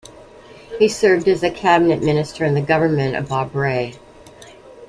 He served as a cabinet minister in the government of Bob Rae.